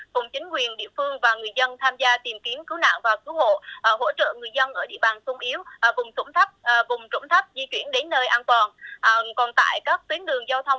cùng chính quyền địa phương và người dân tham gia tìm kiếm cứu nạn và cứu hộ hỗ trợ người dân ở địa bàn xung yếu